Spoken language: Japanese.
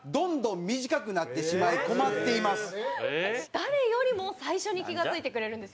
誰よりも最初に気が付いてくれるんですよ